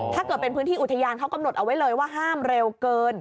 ถ้าเกิดเป็นพื้นที่อุทยานเขากำหนดเอาไว้เลยว่าห้ามเร็วเกิน